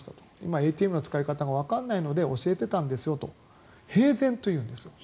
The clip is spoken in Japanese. ＡＴＭの使い方がわからないので教えていたんですよと平然と言うんです。